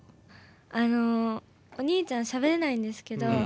あのお兄ちゃんしゃべれないんですけど。